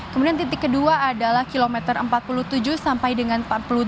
kemudian titik kedua adalah kilometer empat puluh tujuh sampai dengan empat puluh delapan